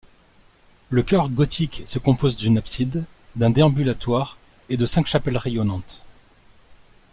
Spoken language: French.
Le chœur gothique se compose d'une abside, d'un déambulatoire et de cinq chapelles rayonnantes.